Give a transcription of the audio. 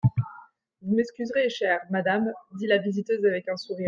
Vous m'excusez, chère madame, dit la visiteuse avec un sourire.